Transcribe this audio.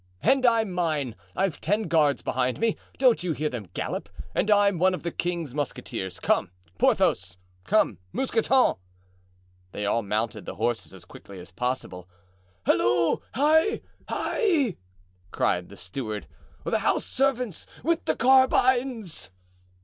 "And I, mine; I've ten guards behind me, don't you hear them gallop? and I'm one of the king's musketeers. Come, Porthos; come, Mousqueton." They all mounted the horses as quickly as possible. "Halloo! hi! hi!" cried the steward; "the house servants, with the carbines!"